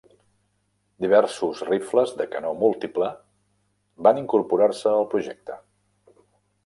Diversos rifles de canó múltiple van incorporar-se al projecte.